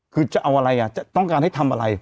คือจะเอาอะไรต้องการให้ทำอะไร